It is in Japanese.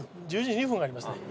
１２時２分がありますね。